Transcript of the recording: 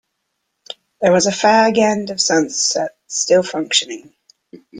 There was a fag-end of sunset still functioning.